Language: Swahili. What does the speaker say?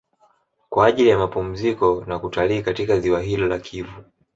Kwa ajili ya mapumziko na kutalii katika Ziwa hilo la Kivu